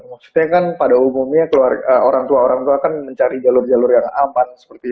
maksudnya kan pada umumnya orang tua orang tua kan mencari jalur jalur yang aman